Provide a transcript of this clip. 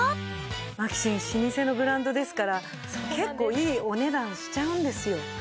マキシン老舗のブランドですから結構いいお値段しちゃうんですよ。